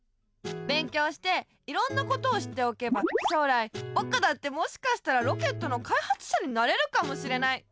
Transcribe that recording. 勉強していろんなことを知っておけば将来ぼくだってもしかしたらロケットのかいはつしゃになれるかもしれない。